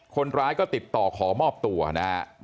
คนร้ายก็ติดต่อขอมอบตัวนะครับ